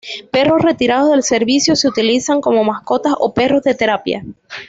Perros retirados del servicio se utilizan como mascotas o perros de terapia.